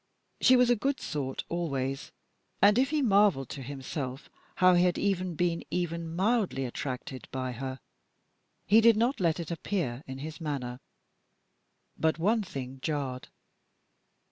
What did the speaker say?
She was a good sort always, and if he marvelled to himself how he had even been even mildly attracted by her, he did not let it appear in his manner. But one thing jarred.